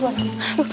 buat buat aduh